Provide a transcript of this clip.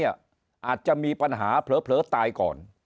อาจจะมีปัญหาเผลอตายก่อน